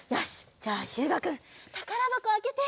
じゃあひゅうがくんたからばこをあけて。